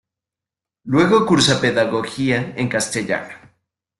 Luego cursa pedagogía en castellano.